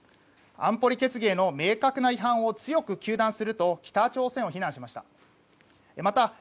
安保理決議への明確な違反を強く糾弾すると北朝鮮を非難しました。